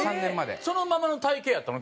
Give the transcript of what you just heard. そのままの体形やったの？